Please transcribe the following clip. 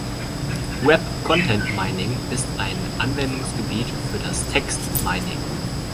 Web-Content-Mining ist ein Anwendungsgebiet für das Text Mining.